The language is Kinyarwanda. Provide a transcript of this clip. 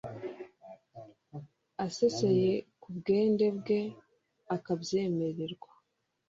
asezeye ku bwende bwe akabyemererwa